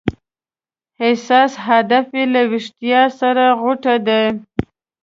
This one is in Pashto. اساس هدف یې له ویښتیا سره غوټه ده.